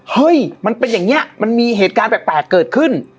เฮ้ยมันเป็นอย่างนี้มันมีเหตุการณ์แปลกเกิดขึ้น